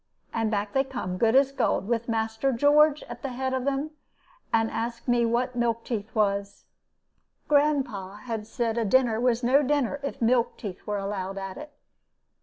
And back they come, as good as gold, with Master George at the head of them, and asked me what milk teeth was. Grandpa had said that 'a dinner was no dinner if milk teeth were allowed at it.'